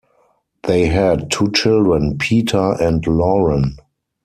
They had two children, Peter and Lauren.